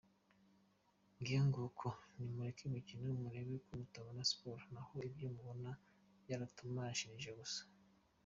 ngayo nguko, nimureka imikino murebe ko mutabona support, naho ibyo mubamo byaratumarishije gusa!